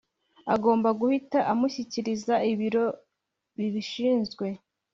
agomba guhita amushyikiriza ibiro bibishinzwe